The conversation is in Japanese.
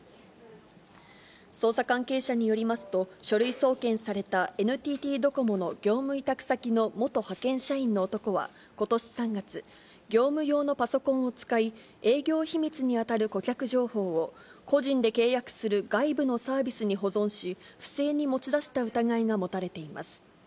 捜査関係者によりますと、書類送検されたＮＴＴドコモの業務委託先の元派遣社員の男はことし３月、業務用のパソコンを使い、営業秘密に当たる顧客情報を個人で契約する外部のサービスに保存し、不正に持ち出した疑いが持たれています。